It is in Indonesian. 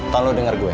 tau lu denger gue